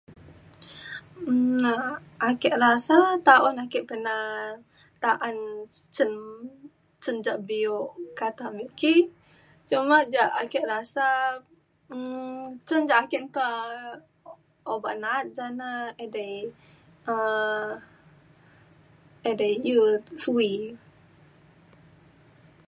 um Ake rasa taun ake pernah ta'an cen cen ja' biuk kata amik ki. Coma ja ake rasa um cen ja' ake nta obak na'at jane edai um edai iu suwi.